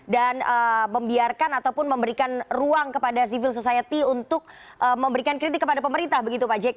dan membiarkan ataupun memberikan ruang kepada civil society untuk memberikan kritik kepada pemerintah begitu pak jk